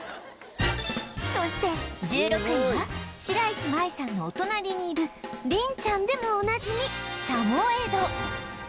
そして１６位は白石麻衣さんのお隣にいる麟ちゃんでもおなじみサモエド